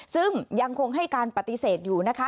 ซึ่งยังคงให้การปฏิเสธอยู่นะคะ